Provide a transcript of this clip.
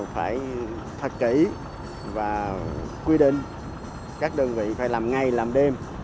phải thật kỹ và quy định các đơn vị phải làm ngày làm đêm